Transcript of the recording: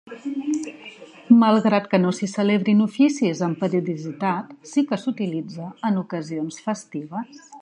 Malgrat que no s'hi celebrin oficis amb periodicitat sí que s'utilitza en ocasions festives.